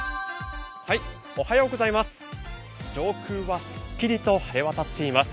上空はすっきりと晴れ渡っています。